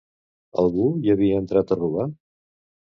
Algú hi havia entrat a robar?